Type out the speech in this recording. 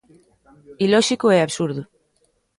Ilóxico é absurdo.